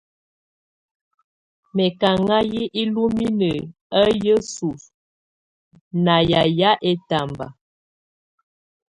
Mɛkaŋa yɛ̀ ululininǝ á yǝsu ná yayɛ̀á ɛtamba.